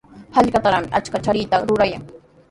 Hallqatrawmi achka charkitaqa rurayan.